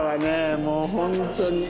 もう本当に。